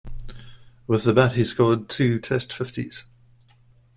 With the bat he scored two Test fifties.